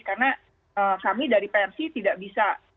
karena kami dari persi tidak bisa